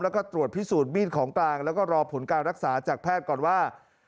แล้วก็ตรวจพิสูจน์มีดของกลางแล้วก็รอผลการรักษาจากแพทย์ก่อนว่า